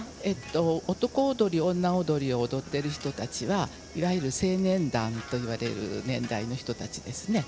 男踊り、女踊りを踊っている人たちはいわゆる青年団といわれる年代の人たちですね。